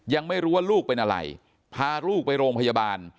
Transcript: ยังไม่รู้ว่าลูกเป็นอะไรพาลูกไปโรงพยาบาล